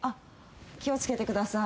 気を付けてください。